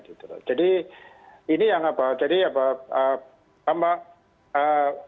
jadi ini yang apa jadi apa apa